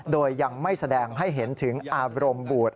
โดยยังไม่แสดงให้เห็นถึงอารมณ์บูด